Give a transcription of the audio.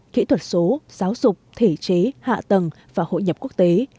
kỹ thuật số giáo dục thể chế hạ tầng và hội nhập quốc tế